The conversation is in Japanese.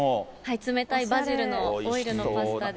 冷たいバジルのオイルのパスタで。